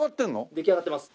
出来上がってます。